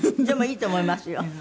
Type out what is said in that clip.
でもいいと思いますよ。